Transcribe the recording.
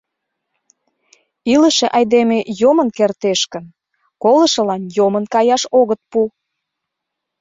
Илыше айдеме йомын кертеш гын, колышылан йомын каяш огыт пу.